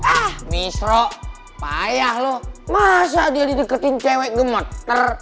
ah bishro payah lo masa dia dideketin cewek gemot